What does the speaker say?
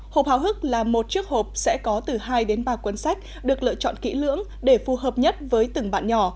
hộp hào hức là một chiếc hộp sẽ có từ hai đến ba cuốn sách được lựa chọn kỹ lưỡng để phù hợp nhất với từng bạn nhỏ